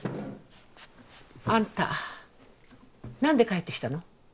あんたなんで帰って来たの？